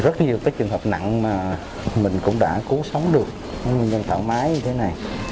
rất nhiều cái trường hợp nặng mà mình cũng đã cứu sống được nguyên nhân thoảng mái như thế này